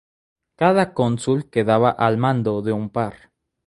Cada cónsul quedaba al mando de un par.